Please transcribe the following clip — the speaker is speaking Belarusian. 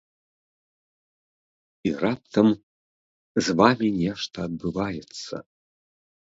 І раптам з вамі нешта адбываецца.